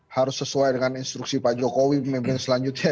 harus sesuai dengan instruksi pak jokowi pemimpin selanjutnya